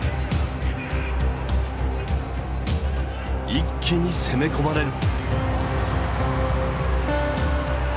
一気に攻め込まれる。